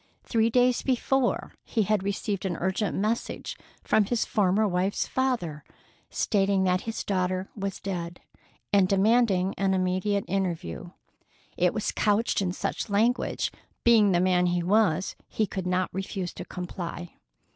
Three days before he had received an urgent message from his former wife's father, stating that his daughter was dead, and demanding an immediate interview. It was couched in such language that, being the man he was, he could not refuse to comply.